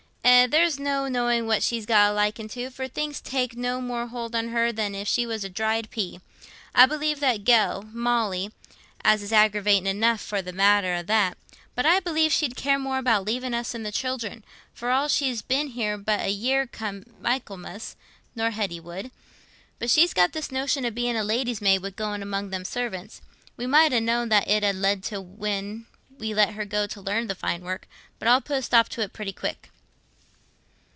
"Eh, there's no knowing what she's got a liking to, for things take no more hold on her than if she was a dried pea. I believe that gell, Molly—as is aggravatin' enough, for the matter o' that—but I believe she'd care more about leaving us and the children, for all she's been here but a year come Michaelmas, nor Hetty would. But she's got this notion o' being a lady's maid wi' going among them servants—we might ha' known what it 'ud lead to when we let her go to learn the fine work. But I'll put a stop to it pretty quick."